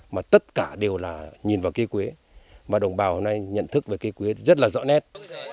mà tất cả đều là nhìn vào cây quế và đồng bào hôm nay nhận thức về cây quế rất là rõ nét